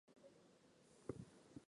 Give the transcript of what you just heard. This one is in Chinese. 海蟑螂有抱卵的习性。